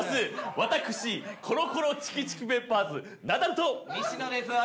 私コロコロチキチキペッパーズナダルと西野です